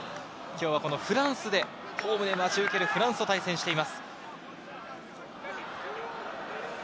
今日はフランスで、ホームで待ち受けるフランスと対戦しています。